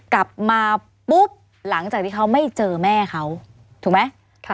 กลับมาปุ๊บหลังจากที่เขาไม่เจอแม่เขาถูกไหม